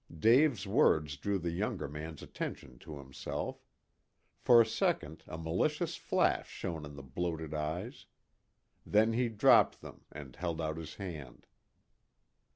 Dave's words drew the younger man's attention to himself. For a second a malicious flash shone in the bloated eyes. Then he dropped them and held out his hand.